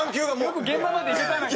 よく現場まで行けたな。